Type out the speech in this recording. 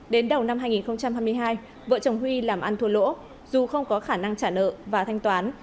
đến đầu năm hai nghìn hai mươi hai vợ chồng huy làm ăn thua lỗ dù không có khả năng trả nợ và thanh toán